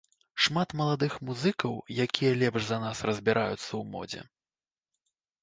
Шмат маладых музыкаў, якія лепш за нас разбіраюцца ў модзе.